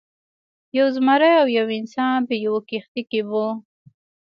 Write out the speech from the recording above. یو زمری او یو انسان په یوه کښتۍ کې وو.